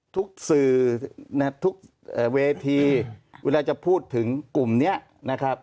สื่อทุกเวทีเวลาจะพูดถึงกลุ่มนี้นะครับ